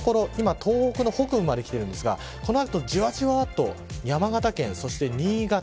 東北北部まできているんですがこの後じわじわと山形県そして新潟